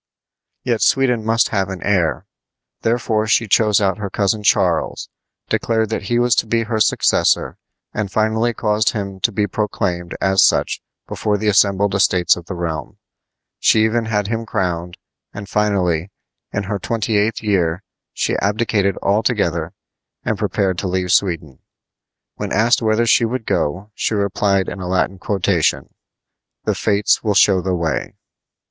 Yet Sweden must have an heir. Therefore she chose out her cousin Charles, declared that he was to be her successor, and finally caused him to be proclaimed as such before the assembled estates of the realm. She even had him crowned; and finally, in her twenty eighth year, she abdicated altogether and prepared to leave Sweden. When asked whither she would go, she replied in a Latin quotation: "The Fates will show the way."